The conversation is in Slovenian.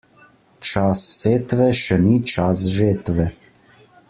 Čas setve še ni čas žetve.